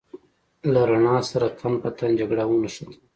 له رڼا سره تن په تن جګړه ونښته.